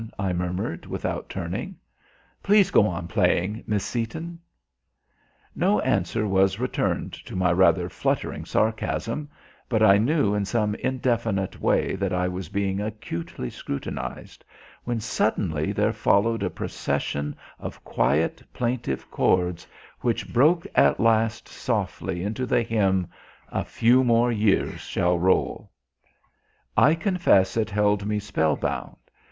I murmured, without turning. "Please go on playing, Miss Seaton." No answer was returned to my rather fluttering sarcasm, but I knew in some indefinite way that I was being acutely scrutinised, when suddenly there followed a procession of quiet, plaintive chords which broke at last softly into the hymn, A Few More Years Shall Roll. I confess it held me spellbound.